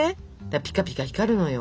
ピカピカ光るのよ。